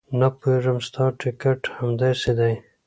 نه پوهېږم ستا ټیکټ همداسې دی.